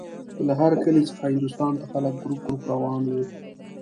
له هر کلي څخه هندوستان ته خلک ګروپ ګروپ روان وو.